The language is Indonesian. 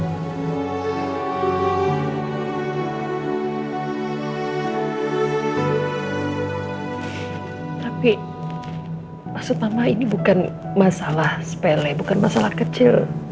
tapi maksud lama ini bukan masalah sepele bukan masalah kecil